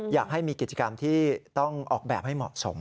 อยากให้มีกิจกรรมที่ต้องออกแบบให้เหมาะสม